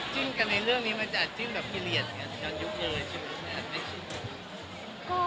จิ้มกันในเรื่องนี้มันอาจจะจิ้มกับไม่เพียร์มตอนยุคเลยใช่ไหมครับ